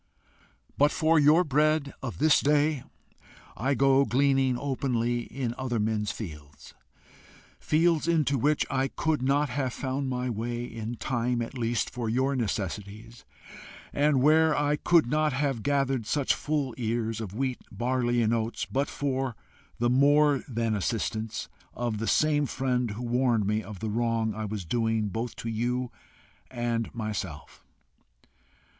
But for your bread of this day, I go gleaning openly in other men's fields fields into which I could not have found my way, in time at least for your necessities, and where I could not have gathered such full ears of wheat, barley, and oats but for the more than assistance of the same friend who warned me of the wrong I was doing both you and myself.